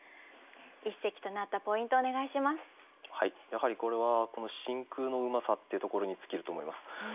やはりこれはこの「真空」のうまさっていうところに尽きると思います。